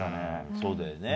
そうだよね。